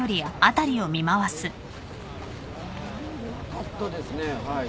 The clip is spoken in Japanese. なかったですねはい。